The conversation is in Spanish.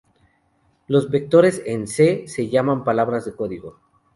Los vectores en "C" se llaman "palabras de código".